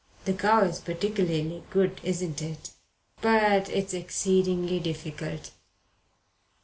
The cow is particularly good, isn't it? But it's exceedingly difficult.